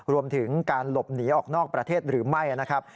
รวมถึงการหลบหนีออกนอกประเทศหรือไม่นะครับ